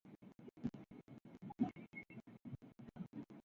ｵｨｨｨｨｨｨｯｽ!どうもー、シャムでーす。